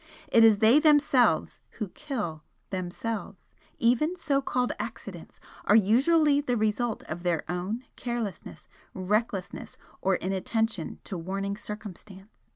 It is they themselves who kill themselves, even so called 'accidents' are usually the result of their own carelessness, recklessness or inattention to warning circumstance.